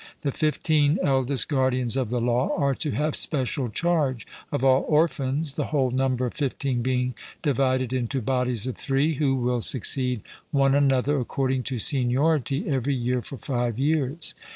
The fifteen eldest guardians of the law are to have special charge of all orphans, the whole number of fifteen being divided into bodies of three, who will succeed one another according to seniority every year for five years.